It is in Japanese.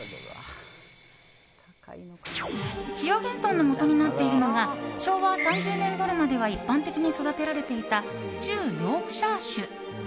千代幻豚のもとになっているのが昭和３０年ごろまでは一般的に育てられていた中ヨークシャー種。